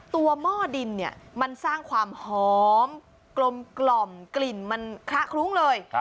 หม้อดินเนี่ยมันสร้างความหอมกลมกลิ่นมันคละคลุ้งเลย